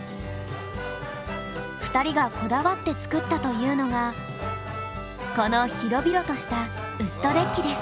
２人がこだわって作ったというのがこの広々としたウッドデッキです。